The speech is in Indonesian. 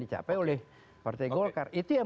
dicapai oleh partai golkar itu yang